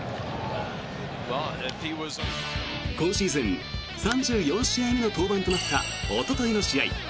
今シーズン３４試合目の登板となったおとといの試合